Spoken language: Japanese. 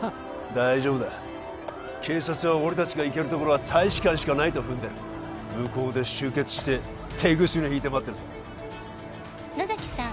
大丈夫だ警察は俺達が行けるところは大使館しかないと踏んでる向こうで集結して手ぐすね引いて待ってるさ「野崎さん